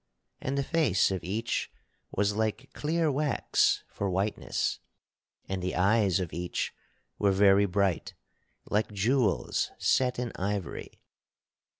And the face of each was like clear wax for whiteness; and the eyes of each were very bright, like jewels set in ivory.